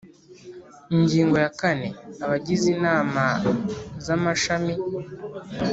Ingingo ya kane Abagize Inama z amashami